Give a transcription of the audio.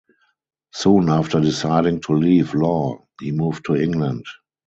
Soon after deciding to leave law he moved to England.